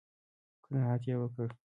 _قناعت يې وکړ؟